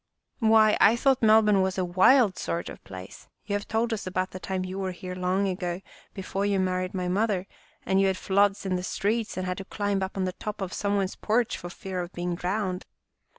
" Why, I thought Melbourne was a wild sort of a place. You have told us about the time you were here long ago, before you married my mother, and you had floods in the streets and had to climb up on top of some one's porch for fear of being drowned."